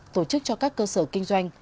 tổ chức cho các cơ sở kinh doanh